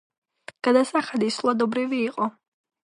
გადასახადი სულადობრივი იყო.